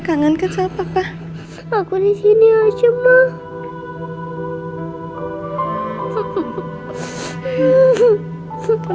kangen kecewa papa aku disini aja mah